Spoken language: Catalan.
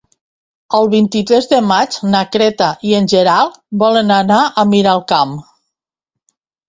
El vint-i-tres de maig na Greta i en Gerard volen anar a Miralcamp.